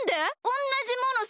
おんなじもの